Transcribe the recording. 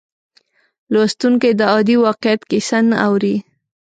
لوستونکی د عادي واقعیت کیسه نه اوري.